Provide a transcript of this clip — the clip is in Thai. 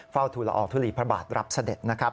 เฝ้าธุระออกธุรีพระบาทรับเสด็จนะครับ